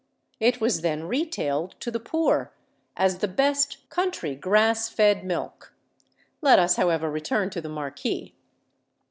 It was then retailed to the poor as the best "country grass fed milk!" Let us, however, return to the Marquis.